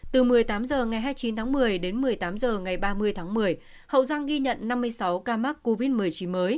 từ chín tháng một mươi đến một mươi tám giờ ngày ba mươi tháng một mươi hậu giang ghi nhận năm mươi sáu ca mắc covid một mươi chín mới